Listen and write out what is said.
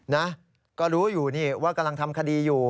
นะก็รู้อยู่นี่ว่ากำลังทำคดีอยู่